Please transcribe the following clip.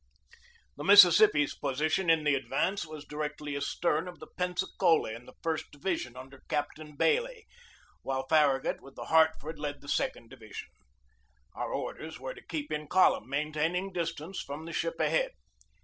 The Mississippi's position in the advance was directly astern of the Pensacola in the first division under Captain Bailey, while Farragut with the Hart ford led the second division. Our orders were to keep in column, maintaining distance from the ship ahead.